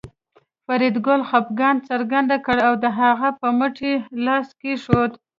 فریدګل خپګان څرګند کړ او د هغه په مټ یې لاس کېښود